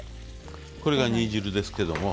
これが煮汁ですけども。